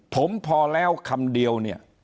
ผมพอแล้วคำเดียว